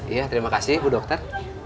iya terima kasih ibu dokter